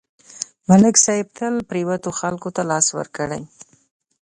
ملک صاحب تل پرېوتو خلکو ته لاس ورکړی